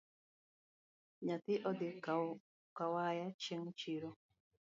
Nyathi odhi kawaya chieng’ chiro